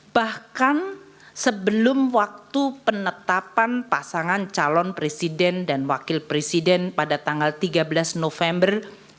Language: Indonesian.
bahkan sebelum waktu penetapan pasangan calon presiden dan wakil presiden pada tanggal tiga belas november dua ribu dua puluh